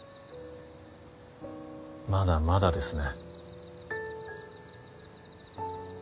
まだまだですね。